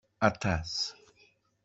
Aṭṭas!